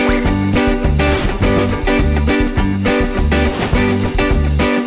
วิ่ง